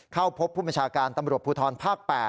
เข้าพบผู้บัญชาการตำรวจภูทรภาค๘